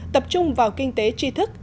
tập trung vào kinh tế tri thức